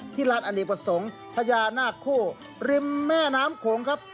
ที่รัฐอันนี้ประสงค์พยานาคคู่ริมแม่น้ำโขงครับ